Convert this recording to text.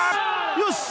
よし。